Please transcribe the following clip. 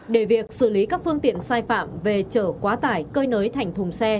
để việc xử lý các phương tiện sai phạm về trở quát tải cơi nới thành thùng xe